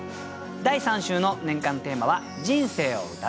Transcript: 第３週の年間テーマは「人生を詠う」。